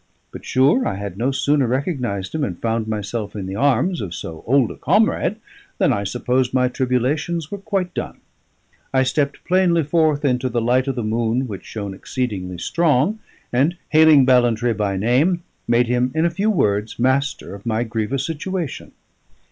But, sure, I had no sooner recognised him, and found myself in the arms of so old a comrade, than I supposed my tribulations were quite done. I stepped plainly forth into the light of the moon, which shone exceedingly strong, and hailing Ballantrae by name, made him in a few words master of my grievous situation.